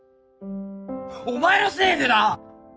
お前のせいでな！